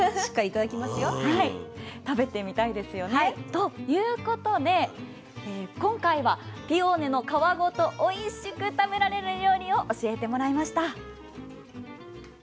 ということで今回はピオーネの皮ごとおいしく食べられる料理を教えてもらいました。